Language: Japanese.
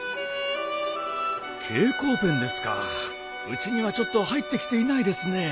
うちにはちょっと入ってきていないですね。